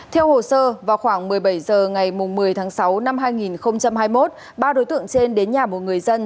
theo hồ sơ vào khoảng một mươi bảy h ngày một mươi tháng sáu năm hai nghìn hai mươi một ba đối tượng trên đến nhà một người dân